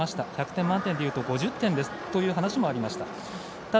１００点満点で言うと５０点ですという話もありました。